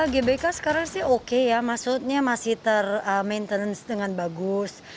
gbk sekarang sih oke ya maksudnya masih ter maintenance dengan bagus